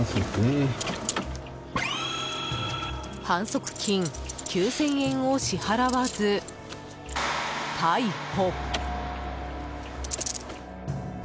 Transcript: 反則金９０００円を支払わず逮捕。